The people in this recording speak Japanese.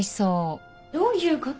どういう事？